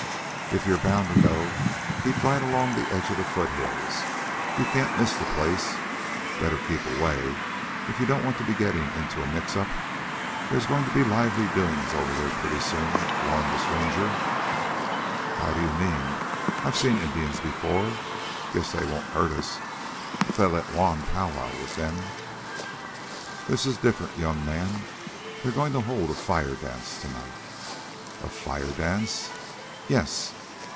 "If ye're bound to go, keep right along the edge of the foothills. You can't miss the place. Better keep away if you don't want to be getting into a mix up. There's going to be lively doings over there pretty soon," warned the stranger. "How do you mean? I've seen Indians before. Guess they won't hurt us if they let Juan pow wow with them." "This is different, young man. They're going to hold a fire dance to night " "A fire dance?" "Yes."